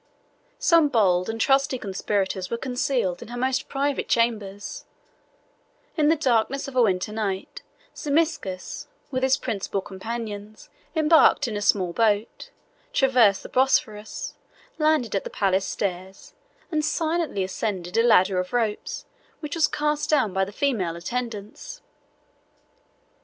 Some bold and trusty conspirators were concealed in her most private chambers: in the darkness of a winter night, Zimisces, with his principal companions, embarked in a small boat, traversed the Bosphorus, landed at the palace stairs, and silently ascended a ladder of ropes, which was cast down by the female attendants.